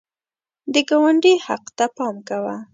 د ګاونډي حق ته پام کوه